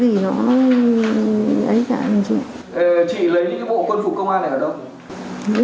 chị lấy những bộ quân phục công an này ở đâu